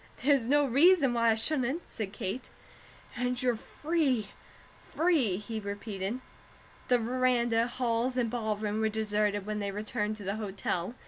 "There's no reason why I shouldn't," said Kate. "And you're free, free!" he repeated. The veranda, halls, and ballroom were deserted when they returned to the hotel.